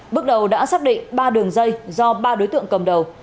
bước đầu đã xác định ba đường dây do ba đối tượng cầm đầu